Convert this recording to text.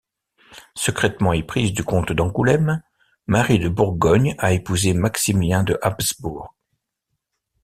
Secrètement éprise du comte d'Angoulème, Marie de Bourgogne a épousé Maximilien de Habsbourg.